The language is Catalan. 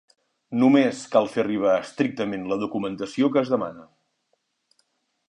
Només cal fer arribar estrictament la documentació que es demana.